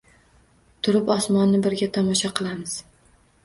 Turib osmonni birga tomosha qilamiz